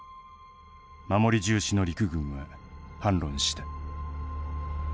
守り重視の陸軍は反論した。